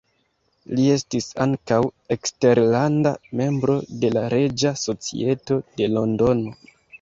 Li estis ankaŭ eskterlanda membro de la Reĝa Societo de Londono.